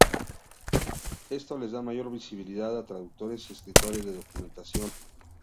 Esto les da mayor visibilidad a traductores y escritores de documentación.